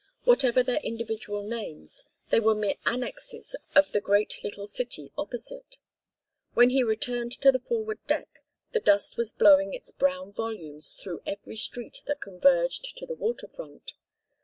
Whatever their individual names they were mere annexes of the great little city opposite. When he returned to the forward deck the dust was blowing its brown volumes through every street that converged to the water front.